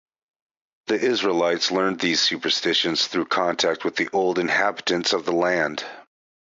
The Israelites learned these superstitions through contact with the old inhabitants of the land.